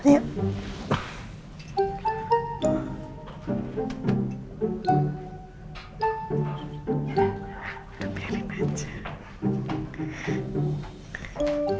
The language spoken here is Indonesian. udah mirip aja